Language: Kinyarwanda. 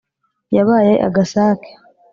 yabaye agasake